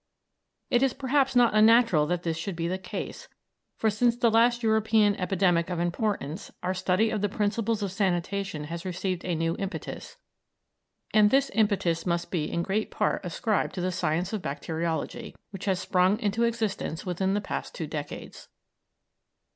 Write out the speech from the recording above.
It is perhaps not unnatural that this should be the case, for since the last European epidemic of importance our study of the principles of sanitation has received a new impetus, and this impetus must be in great part ascribed to the science of bacteriology, which has sprung into existence within the past two decades.